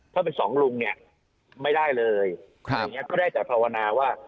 ถ้าเป็นสองลุงเนี่ยไม่ได้เลยอย่างเงี้ก็ได้แต่ภาวนาว่า